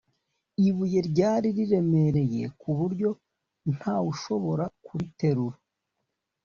ibuye ryari riremereye kuburyo ntawushobora kuriterura